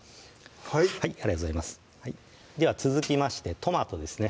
はいはいありがとうございますでは続きましてトマトですね